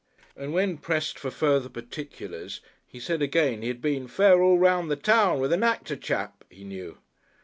And when pressed for further particulars, he said again he had been "fair all round the town, with a Nactor chap" he knew.